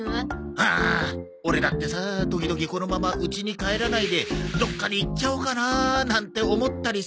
ああオレだってさ時々このまま家に帰らないでどっかに行っちゃおうかななんて思ったりする時が。